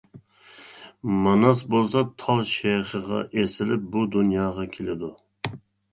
ماناس بولسا تال شېخىغا ئېسىلىپ بۇ دۇنياغا كېلىدۇ.